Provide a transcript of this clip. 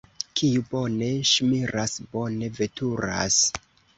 Kiu bone ŝmiras, bone veturas.